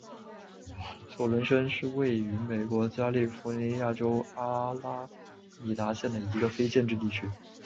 索伦森是位于美国加利福尼亚州阿拉米达县的一个非建制地区。